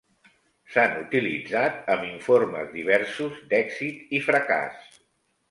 S'han utilitzat amb informes diversos d'èxit i fracàs.